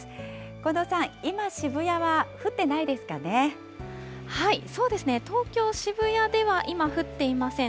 近藤さん、今、そうですね、東京・渋谷では今、降っていません。